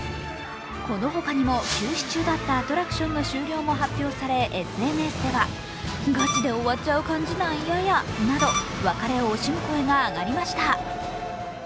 このほかにも休止中だったアトラクションの終了もお知らせされ、ＳＮＳでは別れを惜しむ声が上がりました。